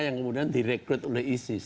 yang kemudian direkrut oleh isis